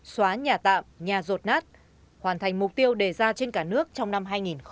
xóa nhà tạm nhà rột nát hoàn thành mục tiêu đề ra trên cả nước trong năm hai nghìn hai mươi